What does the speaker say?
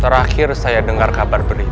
terakhir saya dengar kabar benih